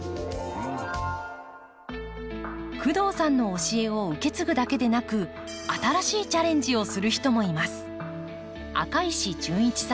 工藤さんの教えを受け継ぐだけでなく新しいチャレンジをする人もいます。